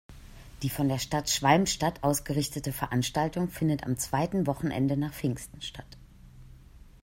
Die von der Stadt Schwalmstadt ausgerichtete Veranstaltung findet am zweiten Wochenende nach Pfingsten statt.